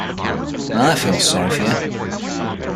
I feel sorry for you.